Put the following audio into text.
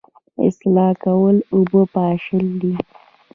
اصلاح کول اوبه پاشل دي